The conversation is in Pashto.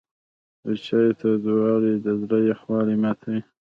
د چای تودوالی د زړه یخوالی ماتوي.